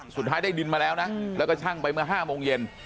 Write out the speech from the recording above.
สุดท้ายได้ดินมาแล้วนะแล้วก็ชั่งไปเมื่อ๕โมงเย็น